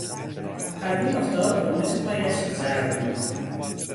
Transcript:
پروین افتاد و مچ پایش ضرب دید.